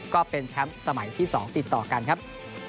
ก็เป็นแชมป์สมัยที่๒ติดต่อกันครับ